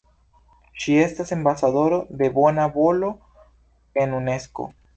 Ŝi estas ambasadoro de bona volo en Unesko.